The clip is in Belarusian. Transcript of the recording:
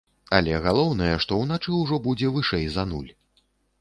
Але галоўнае, што ўначы ўжо будзе вышэй за нуль.